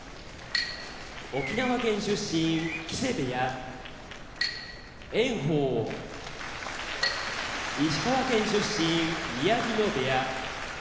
沖縄県出身木瀬部屋炎鵬石川県出身宮城野部屋